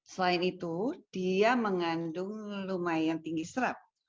selain itu dia mengandung lumayan tinggi serap